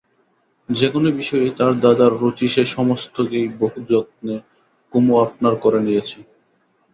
যে-কোনো বিষয়েই তার দাদার রুচি সে-সমস্তকেই বহু যত্নে কুমু আপনার করে নিয়েছে।